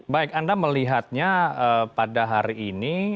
baik anda melihatnya pada hari ini